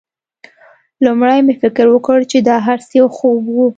لومړی مې فکر وکړ چې دا هرڅه یو خوب و